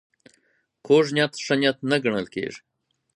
کوږ نیت ښه نیت نه ګڼل کېږي